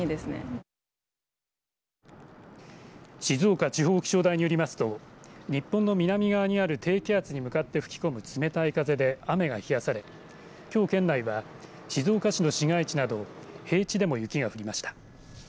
静岡地方気象台によりますと日本の南側にある低気圧に向かって吹き込む冷たい風で雨が冷やされ、きょう県内は静岡市の市街地など平地でも雪が降りました。